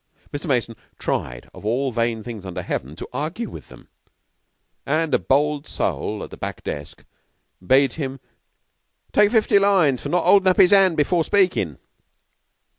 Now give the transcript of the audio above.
Mr. Mason tried, of all vain things under heaven, to argue with them, and a bold soul at a back desk bade him "take fifty lines for not 'olding up 'is 'and before speaking."